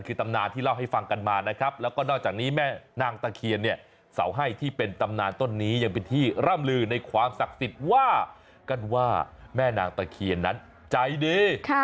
คือตำนานที่เล่าให้ฟังกันมานะครับแล้วก็นอกจากนี้แม่นางตะเคียนเนี่ยเสาให้ที่เป็นตำนานต้นนี้ยังเป็นที่ร่ำลือในความศักดิ์สิทธิ์ว่ากันว่าแม่นางตะเคียนนั้นใจดี